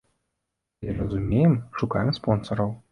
Але разумеем, шукаем спонсараў.